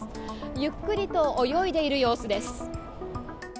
ゆっくりと泳いでいる様子です。